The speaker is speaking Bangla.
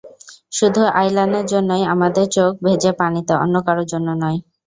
শুধু আয়লানের জন্যই আমাদের চোখ ভেজে পানিতে, অন্য কারও জন্য নয়।